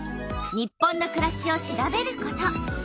「日本のくらし」を調べること。